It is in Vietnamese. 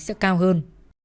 sẽ cao hơn